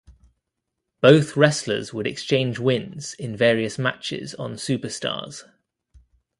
Both wrestlers would exchange wins in various matches on Superstars.